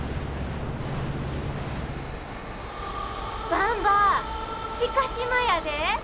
ばんば知嘉島やで！